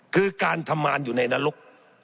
คือการทำงานอยู่ในนรก